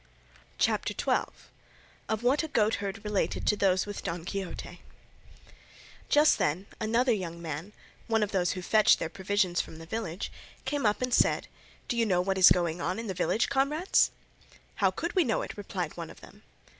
CHAPTER XII. OF WHAT A GOATHERD RELATED TO THOSE WITH DON QUIXOTE Just then another young man, one of those who fetched their provisions from the village, came up and said, "Do you know what is going on in the village, comrades?" "How could we know it?" replied one of them.